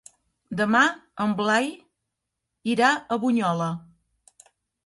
Demà en Blai irà a Bunyola.